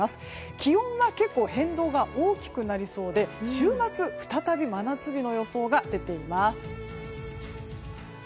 気温が結構、変動が大きくなりそうで週末、再び真夏日の予想が出ています。